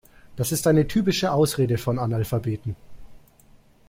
Das ist eine typische Ausrede von Analphabeten.